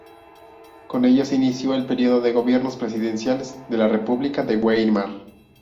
Con ello se inició el periodo de "gobiernos presidenciales" de la República de Weimar.